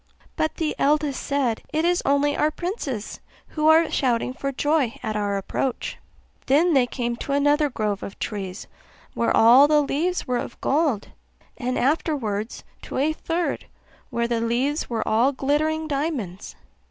But the eldest said, 'It is only our princes, who are shouting for joy at our approach.' Then they came to another grove of trees, where all the leaves were of gold; and afterwards to a third, where the leaves were all glittering diamonds.